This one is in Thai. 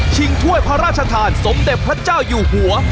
ถ้วยพระราชทานสมเด็จพระเจ้าอยู่หัว